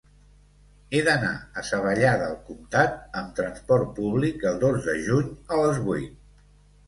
He d'anar a Savallà del Comtat amb trasport públic el dos de juny a les vuit.